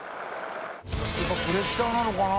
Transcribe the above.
「プレッシャーなのかな？